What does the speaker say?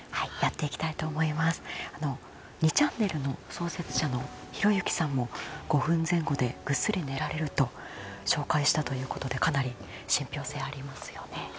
ちゃんねるの創設者のひろゆきさんも５分前後で寝られると紹介したということでかなり信ぴょう性がありますよね。